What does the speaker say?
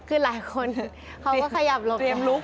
คือหลายคนเขาก็ขยับหลบ